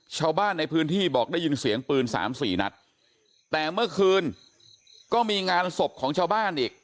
ชาวบ้านในพื้นที่บอกได้ยินเสียงปืนสามสี่นัดแต่เมื่อคืนก็มีงานศพของชาวบ้านอีก